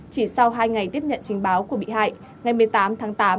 chỉ sau hai ngày tiếp nhận trình báo của bị hại ngày một mươi tám tháng tám